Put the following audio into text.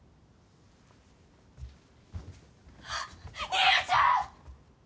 兄ちゃん！